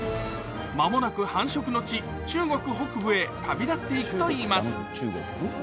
間もなく繁殖の地、中国北部へ旅立っていくといいます。